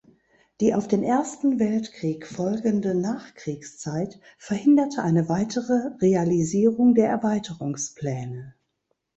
Die auf den Ersten Weltkrieg folgende Nachkriegszeit verhinderte eine weitere Realisierung der Erweiterungspläne.